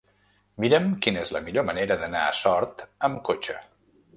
Mira'm quina és la millor manera d'anar a Sort amb cotxe.